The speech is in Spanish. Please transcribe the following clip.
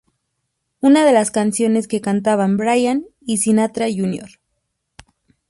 Una de las canciones que cantaban Brian y Sinatra Jr.